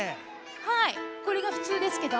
はいこれがふつうですけど。